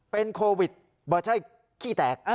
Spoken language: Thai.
เป็นโควิดเบอร์ใช่ขี้แตก